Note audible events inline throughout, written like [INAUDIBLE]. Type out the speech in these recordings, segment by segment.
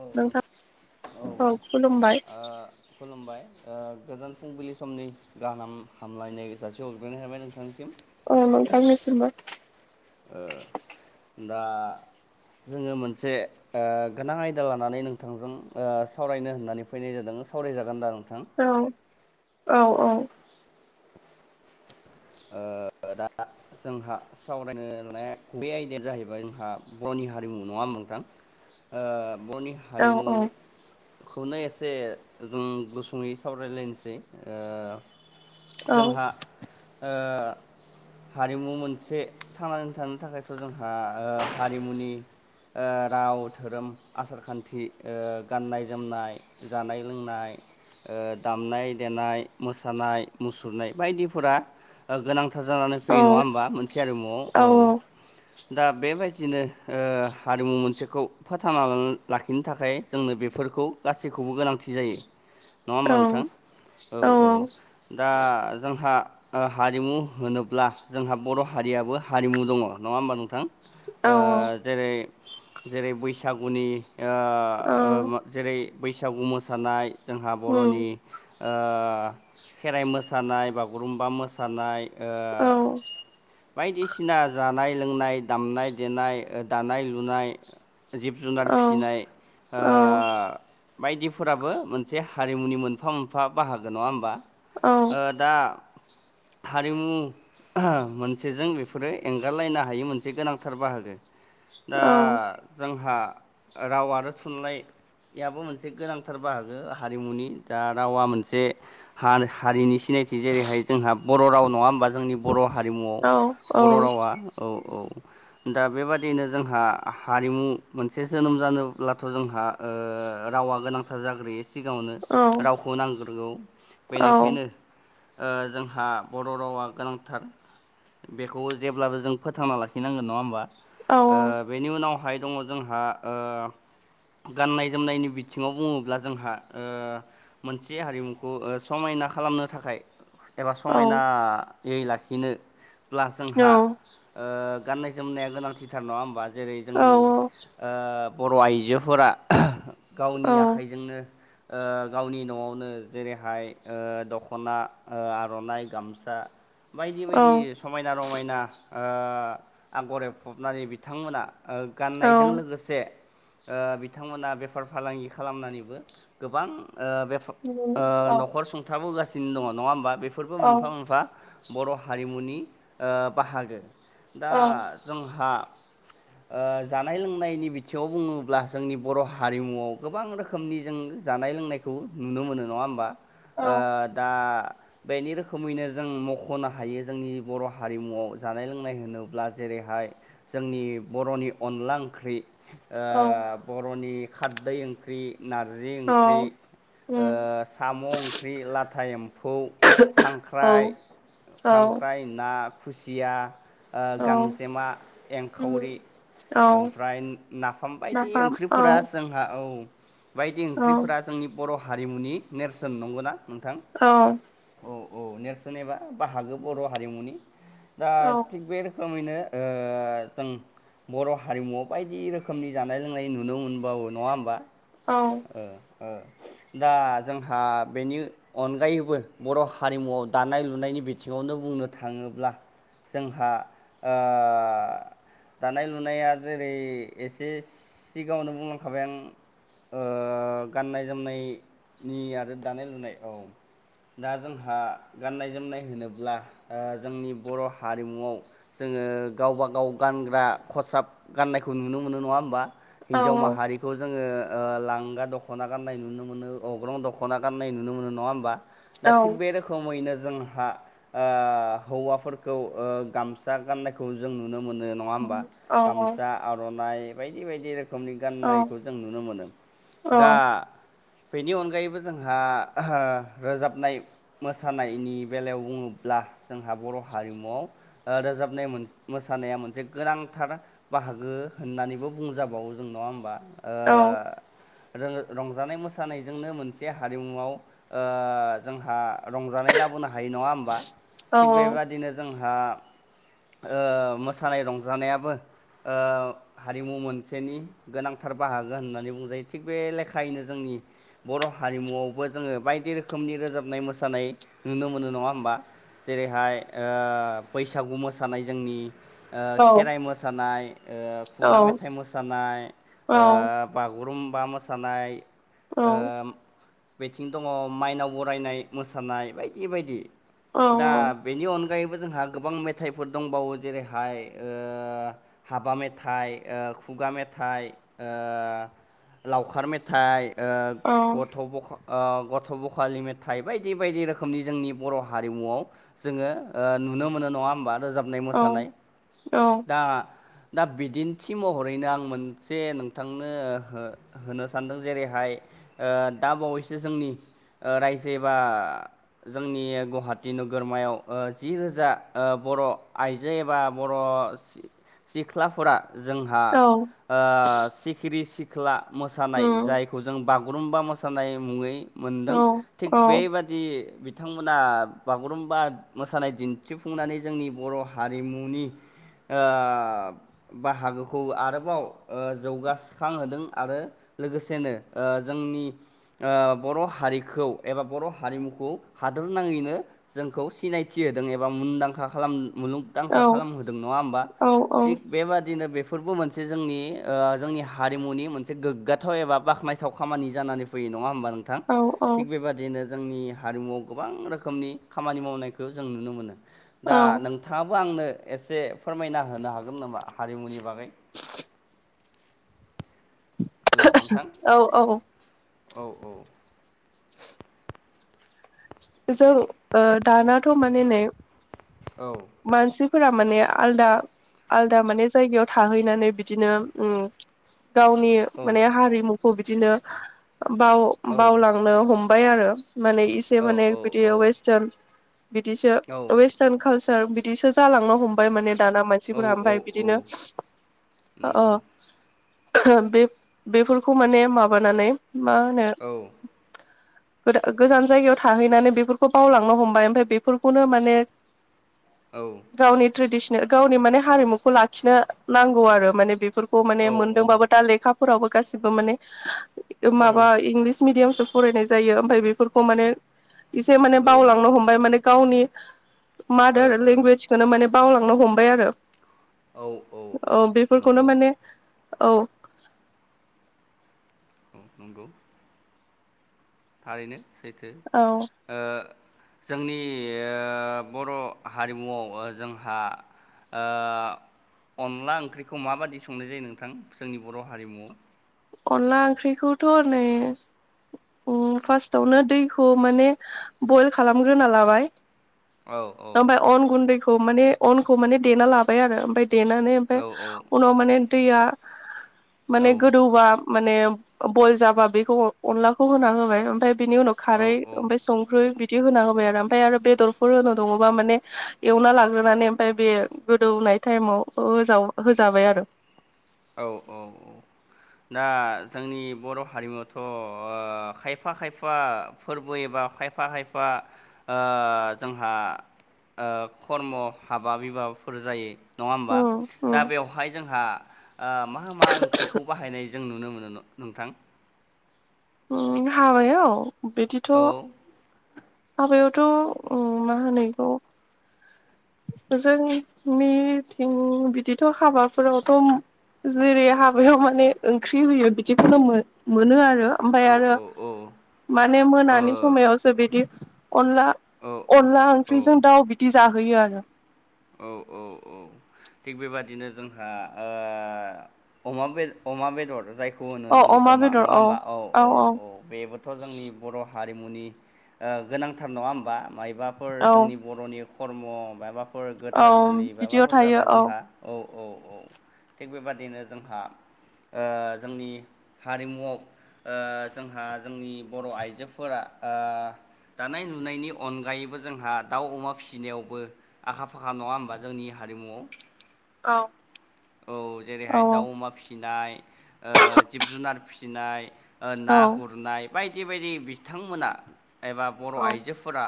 औ नोंथां औ आ खुलुमबाय ओ गोजोन फुंबिलि समनि गाहाम हामलायनाय जासि अग्रोनाय थाबाय नोंथांनिसिम औ नोंथांनिसिमबो ओ दा जोङो मोनसे ओ गोनां आयदा लानानै नोंथांजों ओ सावरायनो होननानै फैनाय जादों सावरायजागोन दा नों औ औ औ ओ दा जोंहा सावरायनो लानाय बे आयदाया जाहैबाय जोंहा बर'नि हारिमु नङा मुं नोंथां ओ बर'नि औ हारिमु खौनो एसे जों गुसुङै सावरायलायनोसै ओ औ जोंहा ओ हारिमु मोनसे थांनानै थानो थाखायथ' जोंहा ओ हारिमुनि ओ राव धोरोम आसार खान्थि ओ गाननाय जोमनाय जानाय लोंनाय ओ दामनाय देनाय मोसानाय मुसुरनाय बायदिफोरा ओ गोनांथार जानानै औ फैयो नङा होमबा मोनसे आरिमुआव औ दा बेबायदिनो ओ हारिमु मोनसेखौ फोथांना लाखिनो थाखाय जोंनो बेफोर खौ गासैखौबो गोनांथि जायो। नङा होमबा नोंथां औ औ दा जोंहा ओ हारिमु होनोब्ला जोंहा बर' हारियाबो हारिमु दङ नङा होमबा नोंथां? औ ओ जेरै जेरै बैसागुनि ओ ओ जेरै बैसागु मोसानाय जों हा उम बर'नि ओ खेराइ मोसानाय बागुरुम्बा मो सानाय ओ औ बायदिसिना जानाय लोंनाय दामनाय देनाय दानाय लुनाय जिब औ जुनार फिसिनाय औ औ बायदिफोराबो मोनसे हारिमुनि मोनफा मोनफा बाहागो नङा होमबा। औ औ ओ दा हारिमु मोनसे जों बेफोरो एंगारलायनो हायो मोनसे गोनांथार बाहागो औ दा जोंहा राव आरो थुनलाइ याबो मोनसे गोनांथार बाहागो हारिमुनि दा रावा मोनसे हारिनि सि नायथि जेरैहाय जोंहा बर' राव नङा होमबा जोंनि बर' हारिमुआव बर' रावा औ औ दा बेबादिनो जोंहा हारिमु मोनसे जोनोम जानोब्लाथ' जोंहा ओ रावा गोनांथार जाग्रोयो सिगाङावनो रावखौ नांग्रोगौ बेनिखायनो ओ जोंहा बर' रावा गोनांथार बेखौ जेब्लाबो जों फोथांना लाखिनांगोन नङा होमबा बेनि उनाव गाहाय दङ जोंहा ओ गाननाय जोमनायनि बिथिङाव बुङोब्ला जोंहा मोनसे हारिमुखौ समाय ना खालामनो थाखाय एबा समायनायै लाखिनोब्ला जोंहा ओ गाननाय जोमनाया गोनांथिथार नङा होमबा जेरै जोंनि ओ बर' आइजोफोरा गावनि आखाइजोंनो ओ गावनि न'आवनो जेरैहाय ओ दख'ना ओ आर'नाइ गामसा बायदि बायदि समायना रमायना ओ आगर एबफबनानै बिथांमोना ओ गाननायजों लोगोसे ओ बिथांमोना बेफार फालांगि खालामनानैबो गोबां ओ बे ओ न'खर सुंथाबोगासिनो दङ नङा होमबा बे बेफोरबो मोनफा मोनफा बर' हारिमुनि ओ बाहागो दा जोंहा ओ जानाय लोंनायनि बिथिङाव बुङोब्ला जोंनि बर' हारिमुआव गोबां रोखोमनि जों जानाय लोंनायखौ नुनो मोनो नङा होमबा ओ दा बेनि रोखोमैनो जों मख'नो हायो जोंनि बर' हारिमुआव जानाय लोंनाय होनोब्ला जेरै बेहाय जोंनि बर'नि अनला ओंख्रि ओ बर'नि खारदै ओंख्रि नारजि ओंख्रि ओ साम' ओंख्रि लाथाय एम फौ खांख्राइ खांख्राइ ना खुसिया ओ औ गांजेमा औ औ एंखावरि औ नाफाम औ ओमफ्राय नाफाम बायदि ओंख्रिफोरा जोंहा औ बायदि ओंख्रिफोरा जोंनि बर' हारिमुनि नेरसोन नंगौना नोंथां औ औ नेर्सोन एबा बाहागो बर' हारिमुनि दा थिग बे रोखोमैनो ओ जों बर' हारिमुवआव बायदि रोखोमनि जानाय लोंनाय नुनो मोनबावो नङा होमबा ओ ओ दा जोंहा बेनि अनगायैबो बर' हारिमुआव दानाय लुनायनि बिथिङाव दों। बुंनो थाङोब्ला जोंहा दानाय-लुनाया जेरै एसे सिगाङावनो बुंलांखाबाय आं ओ गाननाय-जोमनायनि आरो दानाय लुनाय औ दा जोंहा गाननाय-जोमनाय होनोब्ला जोंनि बर' हारिमुआव जों जोङो गावबा गाव गानग्रा खसाब गाननायखौ नुनो मोनो नङा होमबा। हिन्जाव माहारिखौ जोङो ओ लांगा दख'ना गान्नाय नुनो मोनो अग्रं दख'ना गान्नाय नुनो मोनो नङा होमबा। दा थिग बे रोखोमैनो जों- हा‌ ओ हौवाफोरखौ ओ गामसा गाननायखौ जों नुनो मोनो नङा होमबा। गामसा, आर'नाइ बायदि बायदि रोखोम रोखोमनि गाननायखौ जों नुनो मोनो। दा बेनि अनगायैबो जोंहा रोजाबनाय-मोसानायनि बेलायाव बुङोब्ला जोंहा बर' हारिमुआव ओ रोजाबनाय मोन मोसानाया मोनसे गोनां- थार बाहागो होननानैबो बुंजाबावो जों नङा होमबा। ओ रो रंजानाय मोसानायजोंनो मोनसे हारिमुआव ओ जोंहा रंजानाय लाबोनो हायो नङा होमबा? थिक बेबादिनो जोंहा ओ मोसानाय-रंजानाया बो ओ हारिमु मोनसेनि गोनांथार बाहागो होननानै बुंजायो थिग बे लेखायैनो जोंनि बर' हारिमुआवबो जोङो बायदि रोखोमनि रोजाबनाय-मोसानाय नुनो मोनो नङा होमबा? जेरैहाय ओ बैसागु मोसानाय जोंनि ओ खेराइ मोस सानाय ओ खुगा मेथाइ मोसानाय ओ बागुरुम बा मोसानाय ओ बेथिं दङ माइनाव बरायनाय मोसानाय बायदि बायदि। दा बेनि अनगायैबो जोंहा गोबां मेथाइफोर दंबावो। जेरैहाय ओ हाबा मेथाइ ओ खुगा मेथाइ ओ लावखार मेथाइ ओ औ गथ' बख ओ गथ' बखालि मेथाइ बायदि बायदि रोखोमनि जोंनि बर' हारिमुआव जोङो ओ नुनो मोनो नङा होमबा रोजाबनाय-मोसानाय। औ दा दा बिदिन्थि महरैनो आं मोनसे नोंथांनो हो होनो सानदों जेरैहा हाय ओ दा बावैसो जोंनि ओ रायजो एबा जोंनि गुहाटि नोगोरमायाव ओ जि रोजा ओ बर' आइजो एबा बर' सिख्लाफोरा जोंहा ओ सिखिरि-सिख्ला मोसानाय जायखौ जों बागुरुम्बा मोसानाय मुङै मोनदों। थिग बेबादि बिथांमोना बागुरुम्बा मोसानाय दिन्थिफुंनानै जोंनि बर' हारिमुनि ओ बाहागोखौ आरोबाव ओ जौगास्रांहोदों आरो लोगोसेनो ओ जोंनि ओ बर' हारिखौ एबा बर' हारिमुखौ हादोर नाङैनो जोंखौ सिनायथि होदों एबा मुंदांखा खालाम- मुलुगदांखा खालामहोदों नङा होमबा‌। थिग बेबादिनो बे फोरबो मोनसे जोंनि ओ जोंनि हारिमुनि मोनसे गोग्गाथाव एबा बाखनायथाव खामानि जानानै फैयो। नङा होमबा नोंथां? थिग बेबादिनो जोंनि हारिमुआव गोबां रोखोमनि खामानि मावनायखौ जों नुनो मोनो। दा नोंथाङाबो आंनो एसे फोरमायना होनो हाग गोन नामा? हारिमुनि बागै हेलौ नोंथां औ औ औ औ [INAUDIBLE] जों ओ दानाथ' माने नै औ मानसिफोरा माने आलदा आलदा माने जायगायाव थाहैनानै बिदिनो उम गावनि औ माने हारिमुखौ बिदिनो बाव औ बावलांनो हम बाय आरो माने इसे औ माने बिद वेस्टान बिदिसो वेस्टान खाल सार बिदिसो जालांनो हम बाय माने दाना औ मानसिफोरा औ ओमफाय औ बिदिनो ओ नंगौ बेफ बेफोरखौ माने माबानानै मा होनो औ गोर गोजान जायगायाव थाहैनानै बेफोरखौ बावलांनो हमबाय ओमफाय बेफोरखौनो माने औ गावनि ट्रेडिसने गावनि माने हारिमुखौ लाखिनो नांगौ आरो माने बेफोर खौ माने औ औ मोनदोंबाबो दा लेखाफोरावबो गासिबो माने ओ माबा इंलिस मिडियाम सो फरायनाय जायो ओमफाय बेफोरखौ माने एसे माने बावलांनो हमबाय माने गावनि मादार लेंगुवेजखौनो माने बावलांनो हमबाय आरो औ औ औ बेफोरखौनो नोंगौ माने औ औ नंगौ थारैनो सैथो औ जोंनि बर' हारिमुआव जोंहा ओ अनला ओंख्रिखौ माबायदि संनाय जायो नोंथां जोंनि बर' हारिमुआव अनला ओंख्रिखौथ' नै फार्स्टावनो दैखौ माने बयल खालामग्रोना लाबाय। औ औ ओमफ्राय अन गुन्दैखौ माने अनखौ माने देना लाबाय आरो ओमफ्राय देनानै ओमफ्राय औ औ उनाव माने दैया औ माने गोदौबा माने बयल जाबा बेखौ अनलाखौ होना होबाय ओमफफ्राय बिनि उनाव औ खारै ओमफ्राय संख्रि बिदि होना होबाय आरो ओमफ्राय आरो बेदरफोर होनो दङबा माने एवना लाग्रोनानै ओमफ्राय बे गोदौ नाय टाइमाव होजाबाय आरो औ औ औ दा जोंनि बर' हारिमुआवथ' खायफा खायफा फोरबो एबा खायफा खायफा जोंहा खर्म हाबा बिबाफोर जायो। नङा होमबा उम दा उम बेवहाय जोंहा मा मा ओंख्रिखौ बाहायनाय जों नुनो मोनो नोंथां। हाबायाव बिदिथ' औ हाबायावथ' मा होनो बेखौ जोंनिथिं बिदिथ' हाबाफोरावथ' जेरै हाबायाव माने ओंख्रि होयो बिदिखौनो मोनो आरो ओमफ्राय औ आरो औ औ माने मोनानि ओ समायावसो बिदि अनला औ औ अनला औ ओंख्रिजों दाउ बिदि जाहोयो आरो औ औ औ थिग बेबादिनो जोंहा अमा अमा बेदर जाय खौ होनो जों अमा नङा होमबा औ औ औ बेबोथ' जोंनि बर' हारि हारिमुनि गोनांथार नङा होमबा मायबाफोर औ जोंनि बर'नि खर्म मायबा फोर औ गोथार जुलि बिदियाव माबाफोर थायो जाबा औ जोंहा औ औ औ थिग बेबादिनो जोंहा जोंनि हारिमुआव जोंहा जोंनि बर' आइजोफोरा दानाय लुनायनि अनगायैबो जोंहा दाउ अमा फिसिनायावबो आखा फाखा नङा होमबा जोंनि हारिमुआव औ औ औ जेरैहाय दाउ अमा फिसिनाय जिब जुनार फिसिनाय ना औ गुरनाय बायदि बायदि बिथांमोना एबा बर' औ आइजोफोरा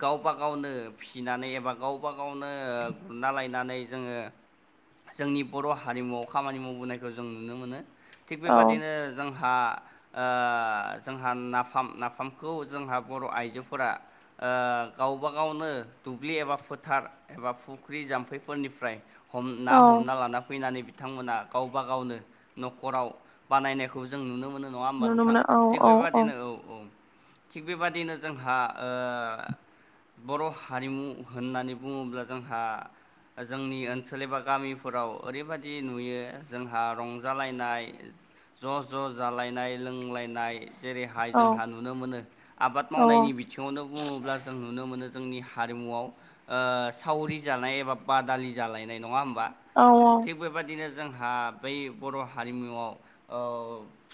गावबा गावनो फिसिनानै एबा गावबा गावनो गुरना लायनानै जोङो जोंनि बर' हारिमुआव खामानि मावबोनायखौ जों नुनो मोनो थिग औ बेबादिनो जों जोंहा ओ जोंहा नाफाम नाफामखौ जोंहा बर' आइजोफोरा ओ गावबा गावनो दुब्लि एबा फोथार एबा फुख्रि जाम्फैफोरनिफ्राय हम ना औ हमना लाना फैनानै बिदि बिथांमोना गावबा गावनो न'खराव बानायनायखौ जों नुनो मोनो। नङा होमबा नुनो नोंथां मोनो औ थिग औ बेबाददिनो औ औ थिग बेबादिनो जोंहा ओ बर' हारिमु होननानै बुङोब्ला जोंहा जोंनि ओनसोल एबा गामिफोराव ओरैबादि नुयो जोंहा रंजालायनाय ज' ज' जालायनाय लोंलायनाय जेरैहाय औ जोंहा नुनो मोनो आबाद औ मावनायनि बिथिङावनो बुङोब्ला जों नुनो मोनो जोंनि हारिमुआव ओ सावरि जानाय एबा बादालि जालायनाय, नङा होम? बा औ औ थिग बेबायदिनो जोंहा बै बर' हारिमुआव ओ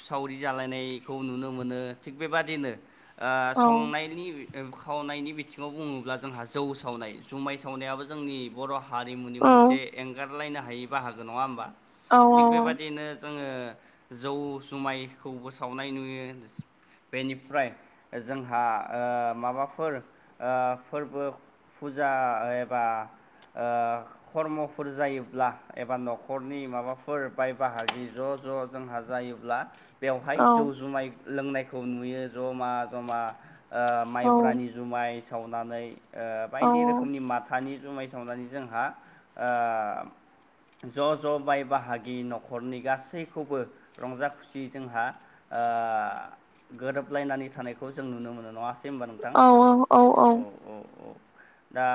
सावरि जालायनायखौ नुनो मोनो। थिग बेबादिनो ओ औ संनायनि खावनायनि बिथिङाव बुङोब्ला जोंहा जौ स सावनाय जुमाय सावनायाबो जोंनि बर' हारिमुनि मोनसे एंगारलायनो हायि बाहागो नङा होमबा? औ थिग औ बेबायादिनो जोङो जौ जुमायखौबो सावनाय नुयो बेनिफ्राय जोंहा ओ माबाफोर ओ फोरबो फुजा एबा ओ खर्मफोर जायोब्ला एबा न'खरनि माबाफोर बाय बाहागि ज' ज' जोंहा जायोब्ला बेवहाय जौ जुमाय लोंनायखौ नुयो जमा जमा ओ माइब्रानि जुमाइ सावनानै बायदि ओ रोखोमनि माथानि जुमाय सावनानै जोंहा ओ ज' ज' बाय बाहागि न'खरनि गासैखौबो रंजा खुसि जोंहा ओ गोरोबलायनानै थानायखौ जों नुनो मोनो नङासै दे होनबा नोंथां औ औ औ दा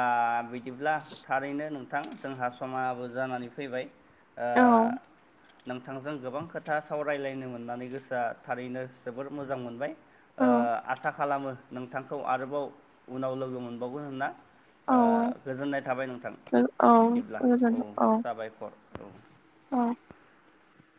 बि बिदिब्ला थारैनो नोंथां जोंहा समाबो जानानै फैबाय ओ नोंथांजों गोबां खोथा सावरायलायनो मोननानै गोसोआ थारैनो जोबोर मोजां मोनबाय। ओ आसा खालामो नोंथांखौ आरोबाव उनाव लोगो मोनबावगोन होनना। ओ गोजोननाय थाबाय नोंथां। बिदिब्ला औ साबायखर औ। औ।